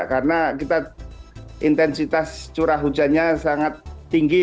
karena kita intensitas curah hujannya sangat tinggi